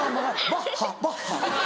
バッハ？